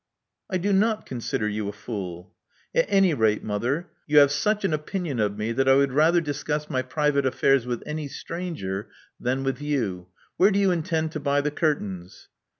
. "I do not consider you a fool. *' "At any rate, mother, you have such an opinion of Love Among the Artists 219 me, that I would rather discuss my private affairs with any stranger than with you. Where do you intend to buy the curtains?"